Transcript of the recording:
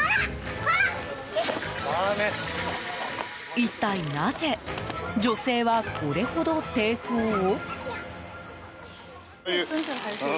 一体なぜ女性はこれほど抵抗を？